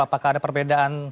apakah ada perbedaan